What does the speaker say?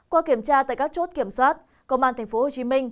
qua kiểm tra tại các chốt kiểm soát công an tp hcm